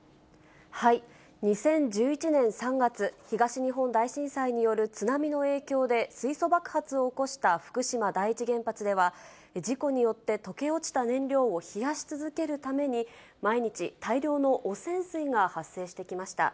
２０１１年３月、東日本大震災による津波の影響で水素爆発を起こした福島第一原発では、事故によって溶け落ちた燃料を冷やし続けるために、毎日、大量の汚染水が発生してきました。